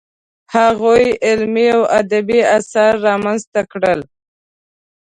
هغوی علمي او ادبي اثار رامنځته کړل.